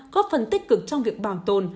có phần tích cực trong việc bảo tồn